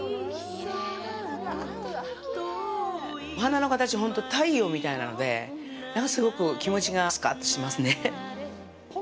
お花の形、ほんとに太陽みたいなので、すごく気持ちがスカッとしますね。